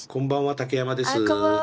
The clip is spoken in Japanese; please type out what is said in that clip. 竹山です。